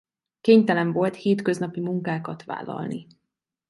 Kénytelen volt hétköznapi munkákat vállalni.